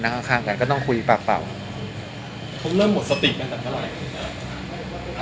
นั่งข้างกันก็ต้องคุยปากเปล่าผมเริ่มหมดสติไปตั้งเท่าไหร่ครับ